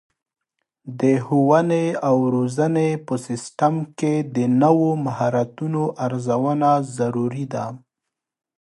د ښوونې او روزنې په سیستم کې د نوو مهارتونو ارزونه ضروري ده.